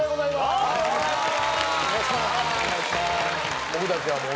お願いします。